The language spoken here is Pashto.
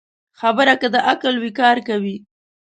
خبره که د عقل وي، کار کوي